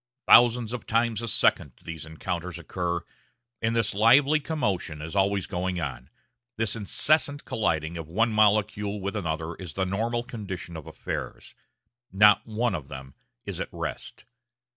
Thousands of times a second these encounters occur, and this lively commotion is always going on, this incessant colliding of one molecule with another is the normal condition of affairs; not one of them is at rest.